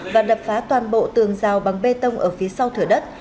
và đập phá toàn bộ tường rào bằng bê tông ở phía sau thửa đất